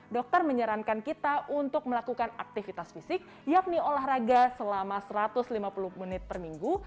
dokter menyarankan kita untuk melakukan aktivitas fisik yakni olahraga selama satu ratus lima puluh menit per minggu